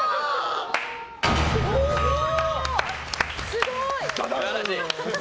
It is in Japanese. すごい！